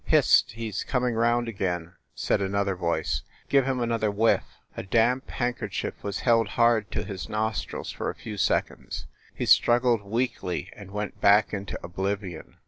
"Hist! He s coming round again," said another voice. "Give him another whiff." A damp hand kerchief was held hard to his nostrils for a few sec onds; he struggled weakly and went back into oblivion.